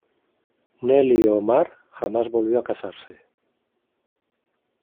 Nelly Omar jamás volvió a casarse.